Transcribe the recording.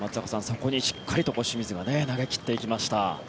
そこにしっかりと清水が投げ込んでいきました。